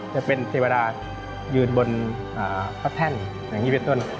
จะเป็นเทวดายืนบนพระแท่นอย่างนี้เป็นต้น